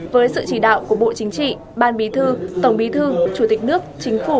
với sự chỉ đạo của bộ chính trị ban bí thư tổng bí thư chủ tịch nước chính phủ